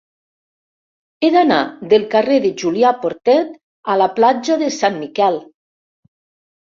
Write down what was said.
He d'anar del carrer de Julià Portet a la platja de Sant Miquel.